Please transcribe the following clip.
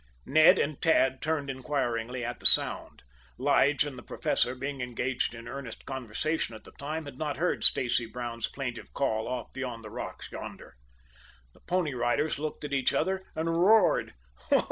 Ned and Tad turned inquiringly at the sound. Lige and the Professor, being engaged in earnest conversation at the time, had not heard Stacy Brown's plaintive call off behind the rocks yonder. The Pony Riders looked at each other and roared.